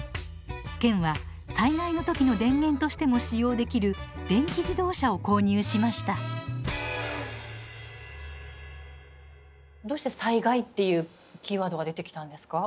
県は災害の時の電源としても使用できる電気自動車を購入しましたどうして「災害」っていうキーワードが出てきたんですか？